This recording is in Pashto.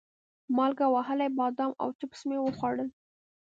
مالګه وهلي بادام او چپس مې وخوړل.